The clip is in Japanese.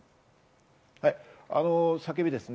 叫びですね。